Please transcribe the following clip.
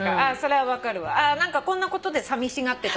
何かこんなことでさみしがってた。